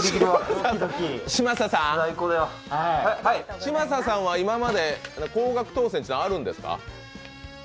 嶋佐さんは今まで高額当選というのはあるんですか？